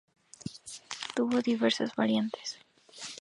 Tuvo diversas variantes.